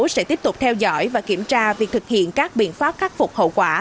sẽ tiếp tục theo dõi và kiểm tra việc thực hiện các biện pháp khắc phục hậu quả